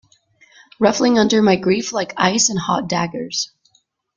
Ruffling under my grief like ice and hot daggers.